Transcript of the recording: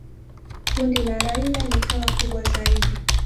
Kundi la Raila likawa kubwa zaidi.